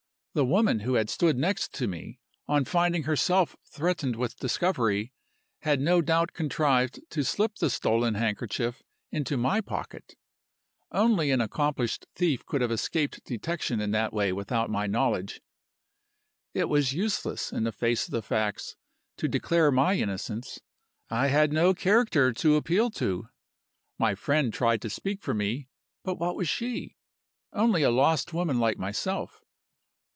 The woman who had stood next to me, on finding herself threatened with discovery, had no doubt contrived to slip the stolen handkerchief into my pocket. Only an accomplished thief could have escaped detection in that way without my knowledge. It was useless, in the face of the facts, to declare my innocence. I had no character to appeal to. My friend tried to speak for me; but what was she? Only a lost woman like myself.